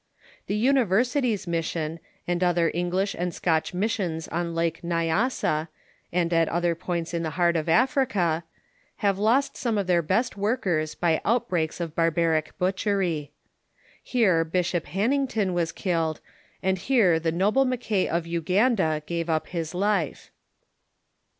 The Universities Mission, and other English and Scotch missions on Lake Nyassa and at other points in the heart of Africa, have lost some of their best workers by outbreaks of barbaric butchery. Here Bishop Haunington was killed, and here the noble Mackay of Uganda gave up his life.